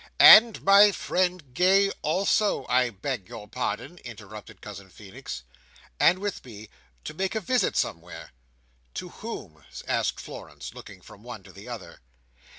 "And my friend Gay, also—I beg your pardon!" interrupted Cousin Feenix. "—And with me—and make a visit somewhere." "To whom?" asked Florence, looking from one to the other.